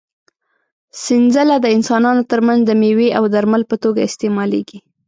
سنځله د انسانانو تر منځ د مېوې او درمل په توګه استعمالېږي.